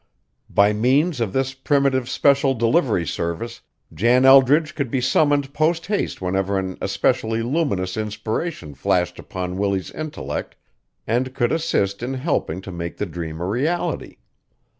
By means of this primitive special delivery service Jan Eldridge could be summoned posthaste whenever an especially luminous inspiration flashed upon Willie's intellect and could assist in helping to make the dream a reality.